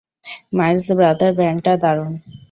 Miles brother, ব্যান্ডটা দারুণ!